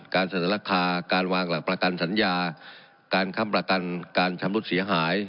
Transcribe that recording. การเสนอราคาการวางหลักประกันสัญญาการค้ำประกันการชำรุดเสียหาย